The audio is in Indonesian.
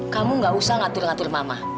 kamu gak usah ngatur ngatur mama